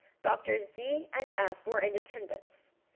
Doctors D—— and F—— were in attendance.